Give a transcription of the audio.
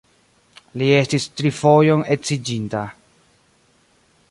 Li estis tri fojon edziĝinta.